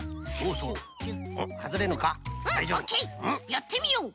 やってみよう。